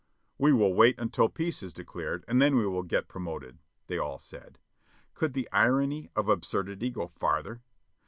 "We will wait until peace is declared and then we will get promoted," they all said. Could the irony of absurdity go farther?